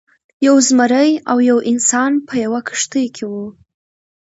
یو زمری او یو انسان په یوه کښتۍ کې وو.